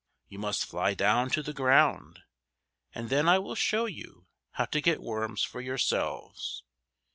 You must fly down to the ground, and then I will show you how to get worms for yourselves.